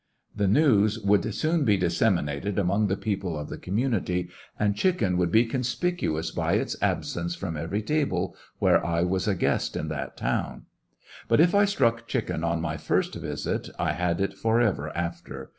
The news would soon be disseminated among the people of the community, and chicken would be con spicuous by its absence from every table where I was a guest in that town. But if I struck chicken on my first visit I had it forever after.